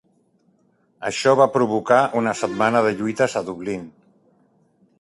Això va provocar una setmana de lluites a Dublín.